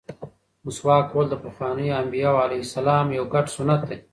مسواک وهل د پخوانیو انبیاوو علیهم السلام یو ګډ سنت دی.